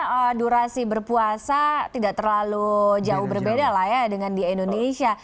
karena durasi berpuasa tidak terlalu jauh berbeda lah ya dengan di indonesia